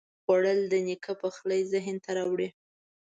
خوړل د نیکه پخلی ذهن ته راوړي